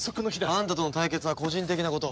あんたとの対決は個人的なこと。